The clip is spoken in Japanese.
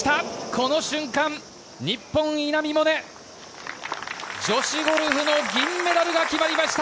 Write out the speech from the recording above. この瞬間、日本・稲見萌寧、女子ゴルフの銀メダルが決まりました！